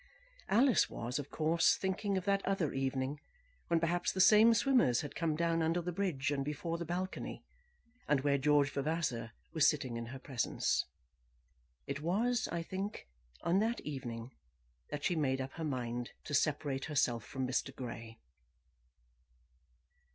Alice was, of course, thinking of that other evening, when perhaps the same swimmers had come down under the bridge and before the balcony, and where George Vavasor was sitting in her presence. It was, I think, on that evening, that she made up her mind to separate herself from Mr. Grey.